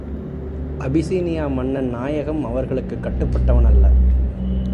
Abyssinia மன்னன் நாயகம் அவர்களுக்குக் கட்டுப்பட்டவன் அல்ல.